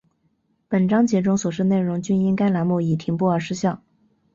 本章节中所示内容均因该栏目已停播而失效